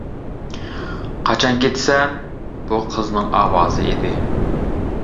-قاچان كېتىسەن؟ -بۇ قىزنىڭ ئاۋازى ئىدى.